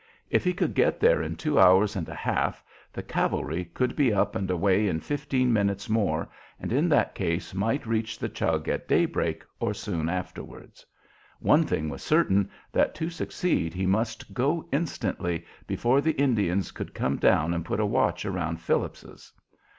If he could get there in two hours and a half, the cavalry could be up and away in fifteen minutes more, and in that case might reach the Chug at daybreak or soon afterwards. One thing was certain, that to succeed he must go instantly, before the Indians could come down and put a watch around Phillips's.